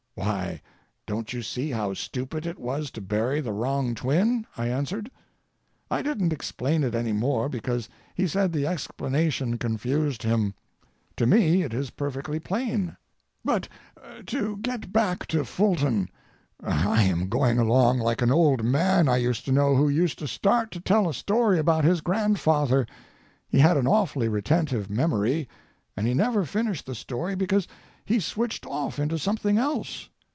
"Why, don't you see how stupid it was to bury the wrong twin?" I answered. I didn't explain it any more because he said the explanation confused him. To me it is perfectly plain. But, to get back to Fulton. I'm going along like an old man I used to know who used to start to tell a story about his grandfather. He had an awfully retentive memory, and he never finished the story, because he switched off into something else.